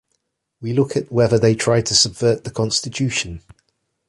We look at whether they try to subvert the Constitution.